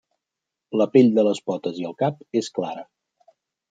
La pell de les potes i el cap és clara.